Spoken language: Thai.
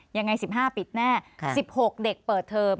ยังไง๑๕ปิดแน่๑๖เด็กเปิดเทอม